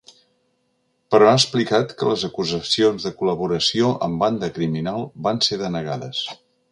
Però ha explicat que les acusacions de col·laboració amb banda criminal van ser denegades.